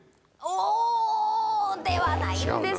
おー、ではないんです。